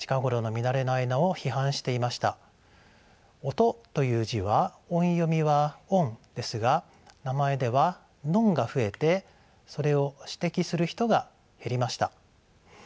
「音」という字は音読みは「オン」ですが名前では「ノン」が増えてそれを指摘する人が減りました。